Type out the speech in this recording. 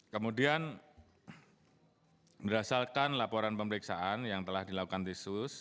kemudian berasalkan laporan pemeriksaan yang telah dilakukan tim sus